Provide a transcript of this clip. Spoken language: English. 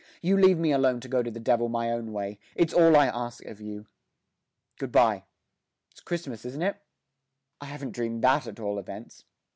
You leave me alone to go to the devil my own way; it's all I ask of you. Good bye. It's Christmas, isn't it? I haven't dreamed that at all events.